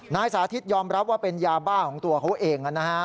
นายสาธิตยอมรับว่าเป็นยาบ้าของตัวเขาเองนะฮะ